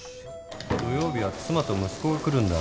土曜日は妻と息子が来るんだ。